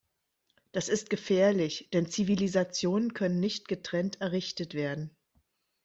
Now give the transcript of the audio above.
Das ist gefährlich, denn Zivilisationen können nicht getrennt errichtet werden.